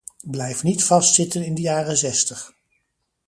Blijf niet vastzitten in de jaren zestig!